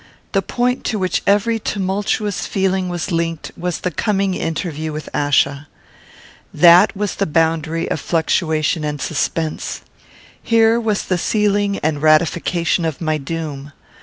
The point to which every tumultuous feeling was linked was the coming interview with Achsa. That was the boundary of fluctuation and suspense. Here was the sealing and ratification of my doom.